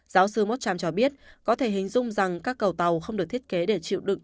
giáo sư mocham cho biết có thể hình dung rằng các cầu tàu không được thiết kế để chịu đựng